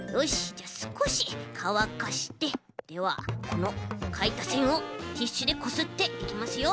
じゃあすこしかわかしてではこのかいたせんをティッシュでこすっていきますよ。